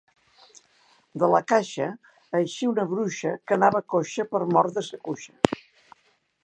De la caixa eixí una bruixa que anava coixa per mor de sa cuixa.